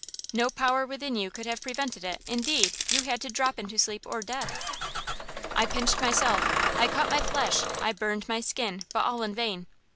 "No power within yourself could have prevented it; indeed, you had to drop into sleep or death!" "I pinched myself, I cut my flesh, I burned my skin, but all in vain.